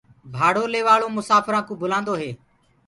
ڀاڙو ليوآݪو مساڦرانٚ ڪو بلانٚدو هي